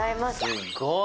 すっごい。